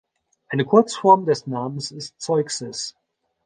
Eine Kurzform des Namens ist "Zeuxis".